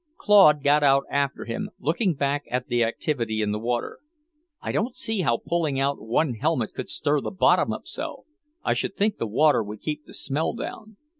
Claude got out after him, looking back at the activity in the water. "I don't see how pulling out one helmet could stir the bottom up so. I should think the water would keep the smell down."